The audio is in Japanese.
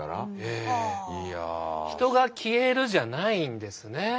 人が消えるじゃないんですね。